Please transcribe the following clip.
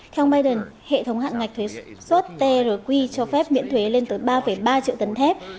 theo biden hệ thống hạng ngạch thuế swat trq cho phép miễn thuế lên tới ba ba triệu tấn thép